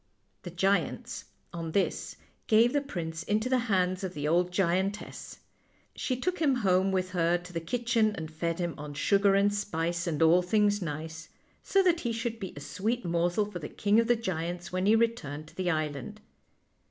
The giants, on this, gave the prince into the hands of the old giantess. She took him home with her to the kitchen, and fed him on sugar and spice and all things nice, so that he should be a sweet morsel for the king of the giants when he returned to the island.